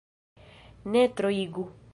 Ne troigu.